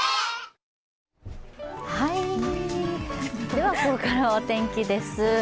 では、ここからはお天気です。